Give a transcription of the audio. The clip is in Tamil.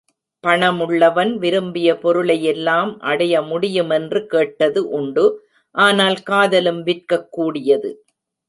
பணமுள்ளவன் விரும்பிய பொருளையெல்லாம் அடைய முடியுமென்று கேட்டது உண்டு ஆனால் காதலும் விற்கக்கூடியது.